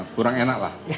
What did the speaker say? kurang enak lah